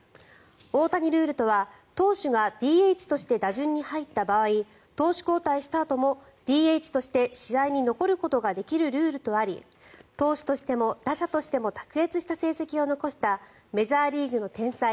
大谷ルールとは投手がＤＨとして打順に入った場合投手交代したあともＤＨとして試合に残ることができるルールとあり投手としても打者としても卓越した成績を残したメジャーリーグの天才